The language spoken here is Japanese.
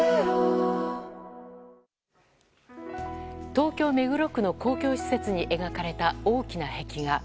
東京・目黒区の公共施設に描かれた大きな壁画。